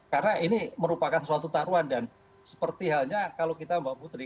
karena ini merupakan suatu taruhan dan seperti halnya kalau kita mbak putri